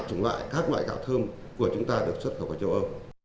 chủng loại các loại gạo thơm của chúng ta được xuất khẩu vào châu âu